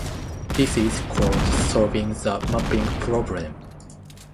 This is called solving the "mapping problem".